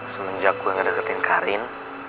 semenjak gue ngedeketin karin